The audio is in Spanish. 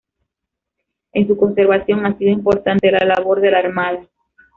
En su conservación ha sido importante la labor de la Armada.